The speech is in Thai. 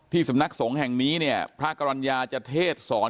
ที่สำนักสงฆ์แห่งนี้พระกรรณยาจะเทศสอน